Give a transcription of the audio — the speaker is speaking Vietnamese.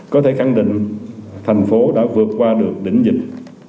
có thể khẳng định thành phố đã vượt qua được đỉnh dịch